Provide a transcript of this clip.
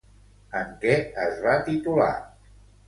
En què es va titular?